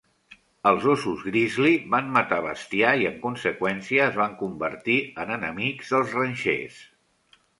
Els ossos "grizzly" van matar bestiar i, en conseqüència, es van convertir en enemics dels ranxers.